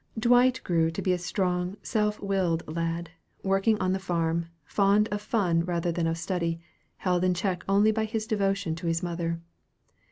Dwight grew to be a strong, self willed lad, working on the farm, fond of fun rather than of study, held in check only by his devotion to his mother.